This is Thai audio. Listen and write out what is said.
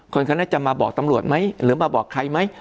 คนคนนั้นจะมาบอกตำรวจไหมหรือมาบอกใครไหม